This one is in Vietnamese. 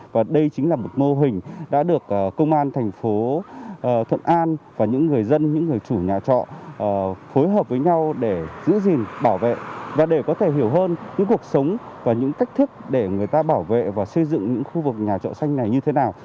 và đây chính là một mô hình đã được công an thành phố thuận an và những người dân những người chủ nhà trọ phối hợp với nhau để giữ gìn bảo vệ và để có thể hiểu hơn những cuộc sống và những cách thức để người ta bảo vệ và xây dựng những khu vực nhà trọ xanh này như thế nào